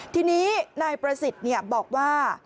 ทีนี้นายประสิทธิ์บอกว่า